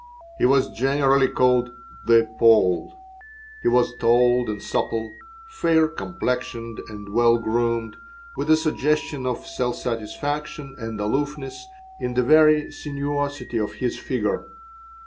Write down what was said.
He was generally called the Pole. He was tall and supple, fair complexioned, and well groomed, with a suggestion of self satisfaction and aloofness in the very sinuosity of his figure.